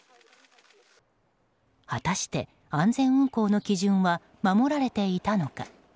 果たして、安全運航の基準は守られていたのか。